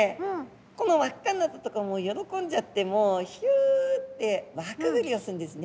この輪っかになったとこ喜んじゃってもうひゅって輪くぐりをするんですね。